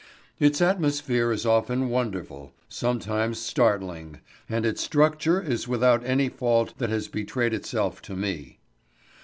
Its atmosphere is often wonderful, sometimes startling, and its structure is without any fault that has betrayed itself to me.